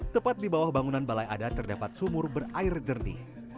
tepat di bawah bangunan balai adat terdapat sumur berair jernih